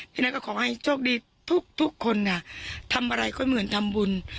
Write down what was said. อย่างนั้นก็ขอให้โชคดีทุกคนทำอะไรก็เหมือนทำบุญ